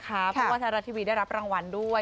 เพราะว่าไทยโทรทัศน์ไทยรัฐทีวีได้รับรางวัลด้วย